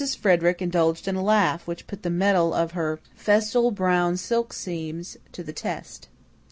Frederick indulged in a laugh which put the mettle of her festal brown silk seams to the test.